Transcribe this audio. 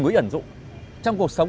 nó tính ẩn dụng trong cuộc sống